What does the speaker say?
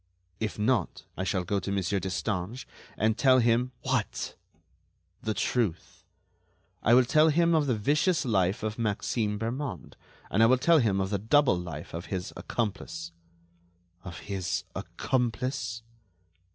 "If not, I shall go to Monsieur Destange, and tell him——" "What?" "The truth. I will tell him of the vicious life of Maxime Bermond, and I will tell him of the double life of his accomplice." "Of his accomplice?"